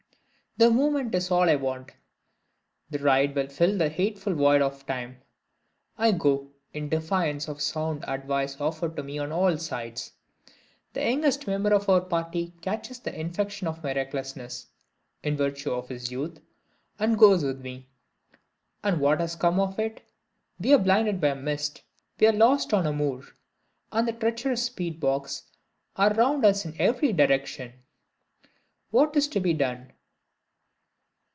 The movement is all I want; the ride will fill the hateful void of time. I go, in defiance of sound advice offered to me on all sides. The youngest member of our party catches the infection of my recklessness (in virtue of his youth) and goes with me. And what has come of it? We are blinded by mist; we are lost on a moor; and the treacherous peat bogs are round us in every direction! What is to be done?